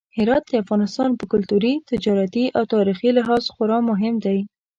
هرات د افغانستان په کلتوري، تجارتي او تاریخي لحاظ خورا مهم دی.